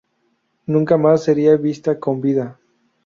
Nunca más sería vista con vida.